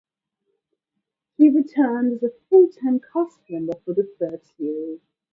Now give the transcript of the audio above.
He returned as a full-time cast member for the third series.